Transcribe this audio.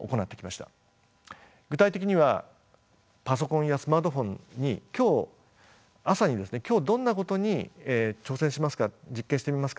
具体的にはパソコンやスマートフォンに朝に今日どんなことに挑戦しますか実験してみますか工夫してみますか。